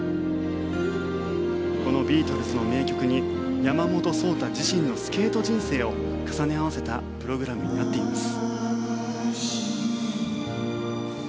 このビートルズの名曲に山本草太自身のスケート人生を重ね合わせたプログラムになっています。